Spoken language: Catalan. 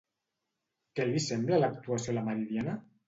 Què li sembla l'actuació a la Meridiana?